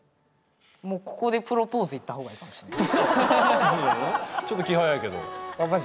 もうここでプロポーズいった方がいいかもしれない。